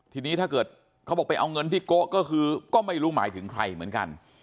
ทีนี้ถ้าเกิดเขาบอกไปเอาเงินที่โกะก็คือก็ไม่รู้หมายถึงใครเหมือนกัน